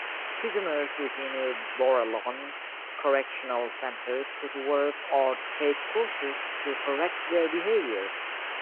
Prisoners within Borallon Correctional Centre could work or take courses to correct their behavior.